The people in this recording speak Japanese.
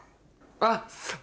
あっ！